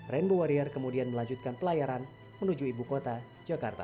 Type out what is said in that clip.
rainbow warrior kemudian melanjutkan pelayaran menuju ibu kota jakarta